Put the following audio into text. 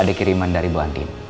ada kiriman dari bu anti